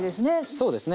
そうですね。